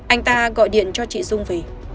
anh ta gọi điện cho chị dung về